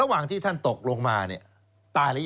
สวัสดีครับคุณผู้ชมค่ะต้อนรับเข้าที่วิทยาลัยศาสตร์